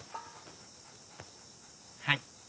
はい。